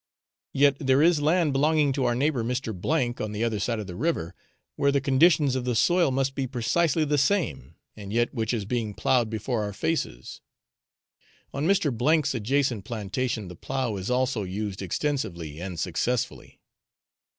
Yet there is land belonging to our neighbour Mr. G , on the other side of the river, where the conditions of the soil must be precisely the same, and yet which is being ploughed before our faces. On Mr. 's adjacent plantation the plough is also used extensively and successfully.